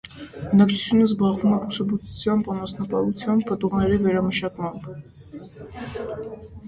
Բնակչությունը զբաղվում է բուսաբուծությամբ, անասնապահությամբ, պտուղների վերամշակմամբ։